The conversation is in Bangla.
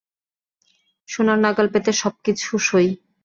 সোনার নাগাল পেতে সবকিছু সই।